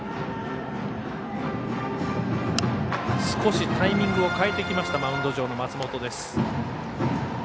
少しタイミングを変えてきたマウンド上の松本です。